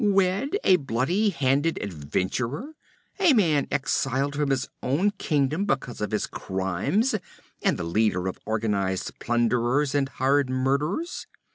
Wed a bloody handed adventurer, a man exiled from his own kingdom because of his crimes, and the leader of organized plunderers and hired murderers?